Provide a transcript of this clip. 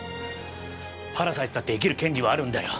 パラサイトだって生きる権利はあるんだよ。